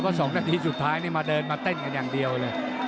เพราะ๒นาทีสุดท้ายนี่มาเดินมาเต้นกันอย่างเดียวเลย